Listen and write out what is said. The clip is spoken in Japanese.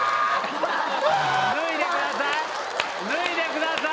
脱いでください。